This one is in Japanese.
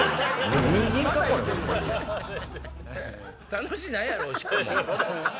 楽しないやろおしっこも。